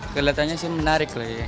kelihatannya sih menarik lah ya